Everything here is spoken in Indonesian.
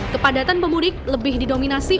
kepadatan pemudik lebih didominasi